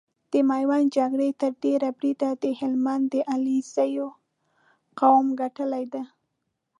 د ميوند جګړه تر ډېره بريده د هلمند د عليزو قوم ګټلې ده۔